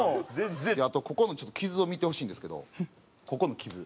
あとここのちょっと傷を見てほしいんですけどここの傷。